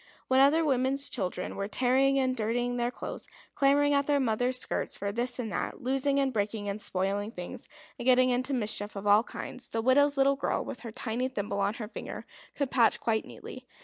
When other women's children were tearing and dirtying their clothes, clamouring at their mothers' skirts for this and that, losing and breaking and spoiling things, and getting into mischief of all kinds, the widow's little girl, with her tiny thimble on her finger, could patch quite neatly.